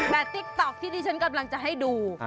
ติ๊กต๊อกที่ที่ฉันกำลังจะให้ดู